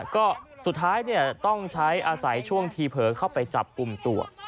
ก็สุดท้ายต้องใช้อาศัยช่วงทีเผลอเข้าไปจับกลุ่มตัว